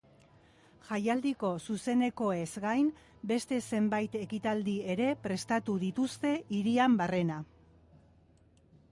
Jaialdiko zuzenekoez gain, beste zenbait ekitaldi ere prestatu dituzte hirian barrena.